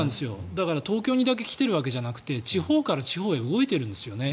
だから東京にだけ来ているわけではなくて地方から地方へ動いているんですよね。